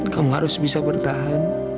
kamu harus bisa bertahan